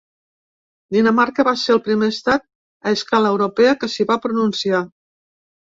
Dinamarca va ser el primer estat a escala europea que s’hi va pronunciar.